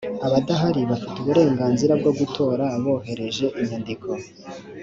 abadahari bafite uburenganzira bwo gutora bohereje inyandiko